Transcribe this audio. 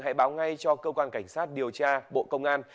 hãy báo ngay cho cơ quan cảnh sát điều tra bộ công an